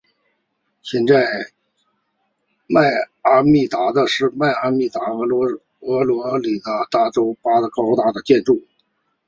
现在迈阿密塔是迈阿密和佛罗里达州第八高的建筑。